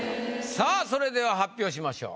さあそれでは発表しましょう。